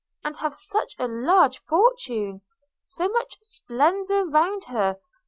and have such a large fortune! – so much splendour round her!